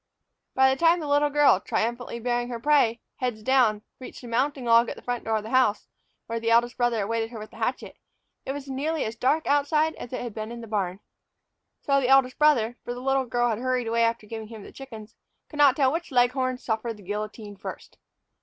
By the time that the little girl, triumphantly bearing both her prey, heads down, reached the mounting log at the front door of the house, where the eldest brother awaited her with the hatchet, it was nearly as dark outside as it had been in the barn. So the eldest brother for the little girl had hurried away after giving him the chickens could not tell which leghorn suffered the guillotine first.